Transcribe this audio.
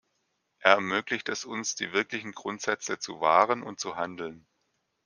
Er ermöglicht es uns, die wirklichen Grundsätze zu wahren und zu handeln.